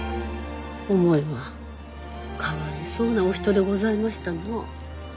思えばかわいそうなお人でございましたな。